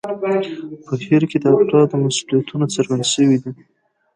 په هیر کې د افرادو مسوولیتونه څرګند شوي وو.